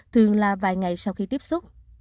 thường là vài ngày sau khi tiếp xúc